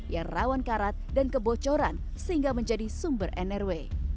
yang rawan karat dan kebocoran sehingga menjadi sumber nrw